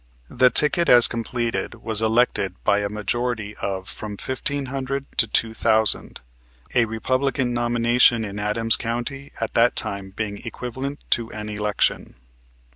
The ticket as completed was elected by a majority of from fifteen hundred to two thousand, a Republican nomination in Adams County at that time being equivalent to an election.